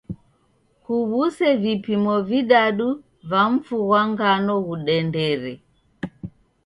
Kuw'use vipimo vidadu va mfu ghwa ngano ghudendere.